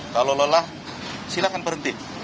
kalau lelah silakan berhenti